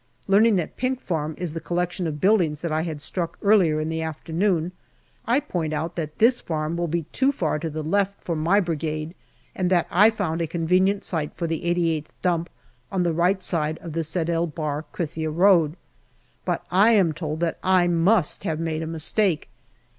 Learning that Pink Farm is the collection of buildings that I had struck earlier in the afternoon, I point out that this farm will be too far to the left for my Brigade, and that I found a convenient site for the 88th dump on the right of the Sed el Bahr Krithia road, but I am told that I must have made a mistake.